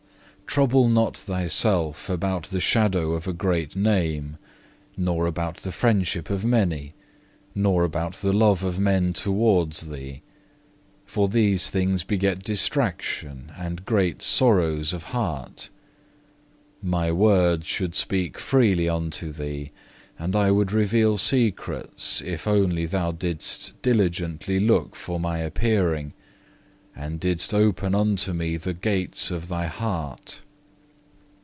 2. "Trouble not thyself about the shadow of a great name, nor about the friendship of many, nor about the love of men towards thee. For these things beget distraction and great sorrows of heart. My word should speak freely unto thee, and I would reveal secrets, if only thou didst diligently look for My appearing, and didst open unto Me the gates of thy heart.